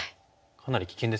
かなり危険ですよね。